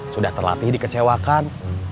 sudah terlatih dikecewakan